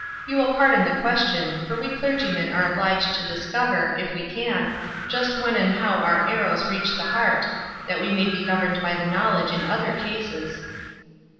You will pardon the question, for we clergymen are obliged to discover, if we can, just when and how our arrows reach the heart, that we may be governed by the knowledge in other cases."